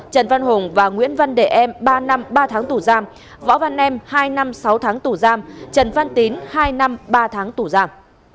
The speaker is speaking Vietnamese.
trần văn hùng và nguyễn văn đệ em ba năm ba tháng tủ giam võ văn em hai năm sáu tháng tủ giam trần văn tín hai năm ba tháng tủ giam